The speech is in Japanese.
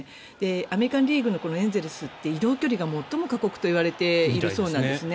アメリカン・リーグのエンゼルスって移動距離が最も過酷って言われているそうなんですね。